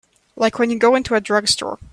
Like when you go into a drugstore.